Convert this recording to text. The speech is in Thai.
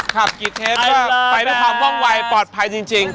ขับกี่เทปได้ไปด้วยความว่องวัยปลอดภัยจริง